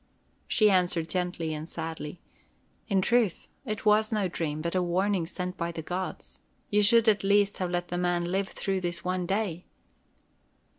She answered gently and sadly: "In truth, it was no dream, but a warning sent by the gods. You should at least have let the man live through this one day."